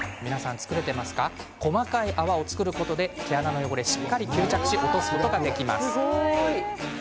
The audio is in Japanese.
細かい泡を作ることで毛穴の汚れを、しっかり吸着し落とすことができます。